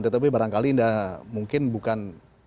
tetapi barangkali mungkin bukan